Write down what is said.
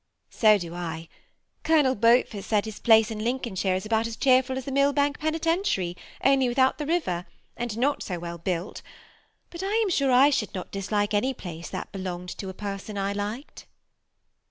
^ So do L Colonel Beaufort says his place in I/in colnshire is about as cheerful as the Millbank Peniten<r tiary, only without the river, and not 00 well built ; but I am sure I should not dislike any place that belonged to a person I liked."